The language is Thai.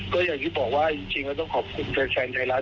ก็อย่างที่บอกว่าจริงเราต้องขอบคุณแฟนแฟนไทยรัสทีวีจารัสออนไลน์